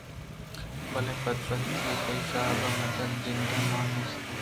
بلے بدبہتی ءَ تئی کاسگ ءَ مجگ ءِ جند مان نیست